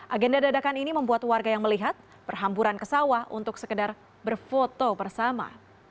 agenda dadakan ini membuat warga yang melihat perhamburan ke sawah untuk sekedar berfoto bersama